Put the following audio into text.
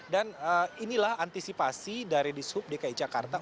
dan inilah antisipasi dari dinas perhubungan dki jakarta